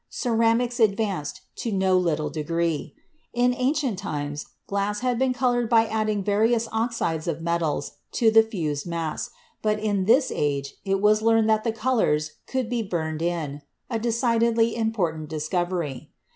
Ceramics advanced to no little degree. In ancient times glass had been colored by adding various oxides of metals to the fused mass, but in this age it was learned that the colors could be burned in — a decidedly important dis covery.